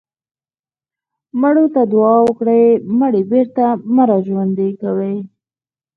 مړو ته دعا وکړئ مړي بېرته مه راژوندي کوئ.